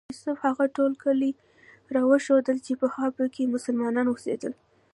یوسف هغه ټول کلي راوښودل چې پخوا په کې مسلمانان اوسېدل.